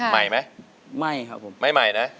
ใหม่ไหมไม่ครับผมไม่ใหม่นะ